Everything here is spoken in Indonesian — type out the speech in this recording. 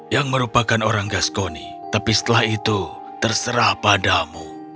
yang merupakan orang gaskoni tapi setelah itu terserah padamu